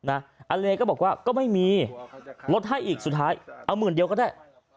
อาเลก็บอกว่าก็ไม่มีลดให้อีกสุดท้ายเอาหมื่นเดียวก็ได้